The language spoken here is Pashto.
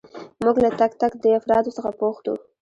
موږ له تک تک دې افرادو څخه پوښتو.